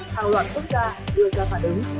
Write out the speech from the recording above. hào loạn quốc gia đưa ra phản ứng